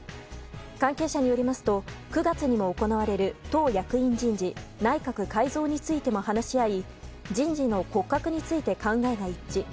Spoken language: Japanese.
関係者によりますと９月にも行われる党役員人事、内閣改造についても話し合い人事の骨格について考えが一致。